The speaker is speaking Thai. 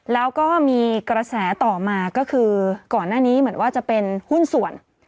แล้วก็มีกระแสต่อมาก็คือก่อนหน้านี้เหมือนว่าจะเป็นหุ้นส่วน